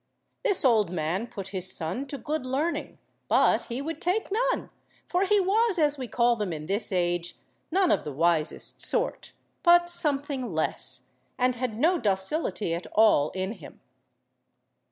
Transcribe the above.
This old man put his son to good learning, but he would take none, for he was, as we call them in this age, none of the wisest sort, but something less, and had no docility at all in him.